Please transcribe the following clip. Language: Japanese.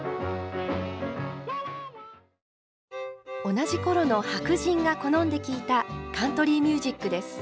同じ頃の白人が好んで聴いたカントリー・ミュージックです。